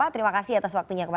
terima kasih atas waktunya